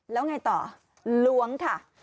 แล้วไงต่อล้วงค่ะ